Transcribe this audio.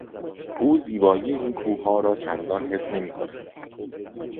او زیبایی این کوهها را چندان حس نمیکند.